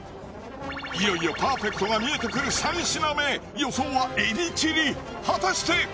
いよいよパーフェクトが見えてくる３品目予想はエビチリ果たして！？